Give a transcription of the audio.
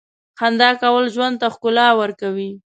• خندا کول ژوند ته ښکلا ورکوي.